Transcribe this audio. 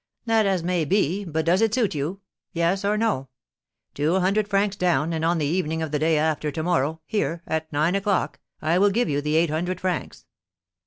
"' 'That as may be; but does it suit you? yes or no. Two hundred francs down, and on the evening of the day after to morrow, here, at nine o'clock, I will give you the eight hundred francs.'